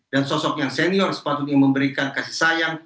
dan sosok yang senior sepatutnya memberikan kasih sayang